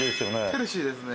ヘルシーですね。